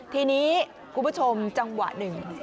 ทีนี้คุณผู้ชมจังหวะหนึ่ง